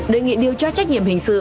đề nghị điều tra trách nhiệm hình sự